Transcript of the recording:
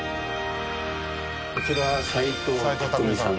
こちら斎藤工さんです。